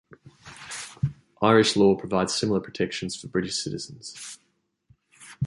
Irish law provides similar protections for British citizens.